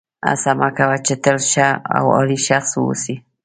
هڅه مه کوه چې تل ښه او عالي شخص واوسې.